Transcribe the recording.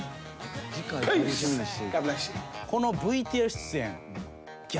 このＶＴＲ出演。